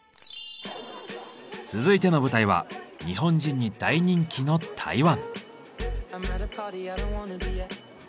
続いての舞台は日本人に大人気の台湾。